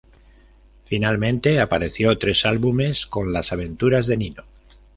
Finalmente apareció tres álbumes con las aventuras de Nino.